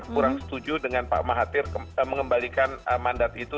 kurang setuju dengan pak mahathir mengembalikan mandat itu